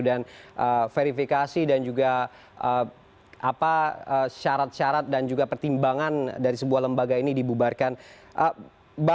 dan verifikasi dan juga apa syarat syarat dan juga pertimbangan dari sebuah lembaga ini dibubarkan ini ya bang